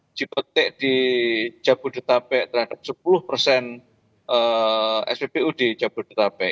uji petik di jabodetabek terhadap sepuluh persen spbu di jabodetabek